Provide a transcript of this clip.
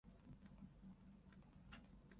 愛知県豊根村